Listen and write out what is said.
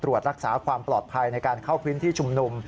รักษาความปลอดภัยในการเข้าพื้นที่ชุมนุม